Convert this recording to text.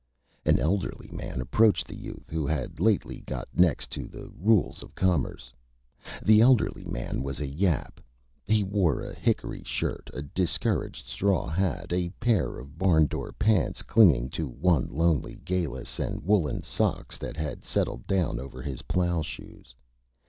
An elderly Man approached the Youth who had lately got next to the Rules of Commerce. The elderly Man was a Yap. He wore a Hickory Shirt, a discouraged Straw Hat, a pair of Barn Door Pants clinging to one lonely Gallus and woolen Socks that had settled down over his Plow Shoes.